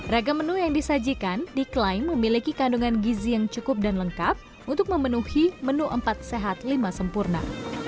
raga menu yang disajikan diklaim memiliki kandungan gizi yang cukup dan lengkap untuk memenuhi menu empat sehat lima sempurna